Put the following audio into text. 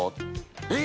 えっ？